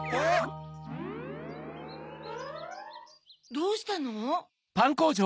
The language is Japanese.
・どうしたの？